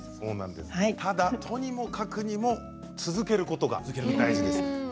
ただ、とにもかくにも続けることが大事です。